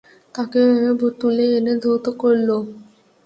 তাকে তুলে এনে ধৌত করল।